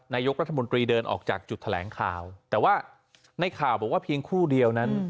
นายกรัฐมนตรีเดินออกจากจุดแถลงข่าวแต่ว่าในข่าวบอกว่าเพียงคู่เดียวนั้น